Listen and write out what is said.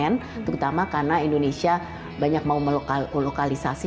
terutama di industri industri komponen terutama karena indonesia banyak mau melokalisasi